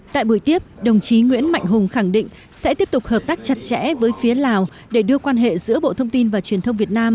tại buổi tiếp đồng chí nguyễn mạnh hùng khẳng định sẽ tiếp tục hợp tác chặt chẽ với phía lào để đưa quan hệ giữa bộ thông tin và truyền thông việt nam